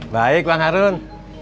baik bang harun